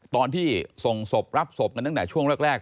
ตอนที่ส่งศพรับศพกันตั้งแต่ช่วงแรก